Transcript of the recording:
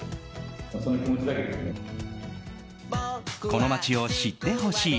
この町を知ってほしい。